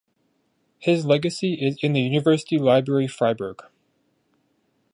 His legacy is in the University Library Freiburg.